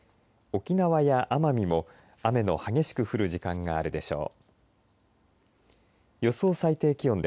沖縄や奄美も雨の激しく降る時間があるでしょう。